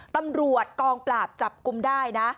ตำรวจกองปราบจับกลุ่มได้นะ